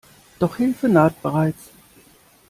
Doch Hilfe naht bereits.